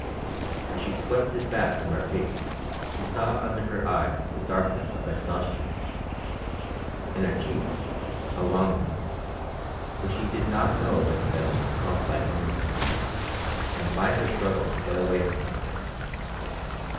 As she swept it back from her face he saw under her eyes the darkness of exhaustion; in her cheeks a wanness, which he did not know just then was caused by hunger, and by her struggle to get away from something.